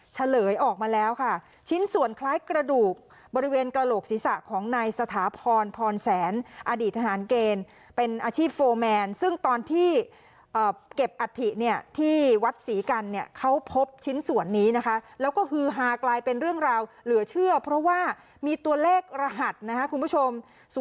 เฉลยออกมาแล้วค่ะชิ้นส่วนคล้ายกระดูกบริเวณกระโหลกศีรษะของนายสถาพรพรแสนอดีตทหารเกณฑ์เป็นอาชีพโฟร์แมนซึ่งตอนที่เก็บอัฐิเนี่ยที่วัดศรีกันเนี่ยเขาพบชิ้นส่วนนี้นะคะแล้วก็ฮือฮากลายเป็นเรื่องราวเหลือเชื่อเพราะว่ามีตัวเลขรหัสนะคะคุณผู้ชม